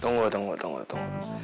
tunggu tunggu tunggu